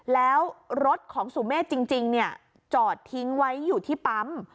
แล้วรถของสุเมฆจริงจอดทิ้งไว้อยู่ที่ปั๊ม